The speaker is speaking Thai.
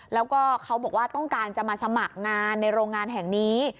แล้วก็เขาบอกว่าต้องการจะมาสมัครงานในโรงงานแห่งนี้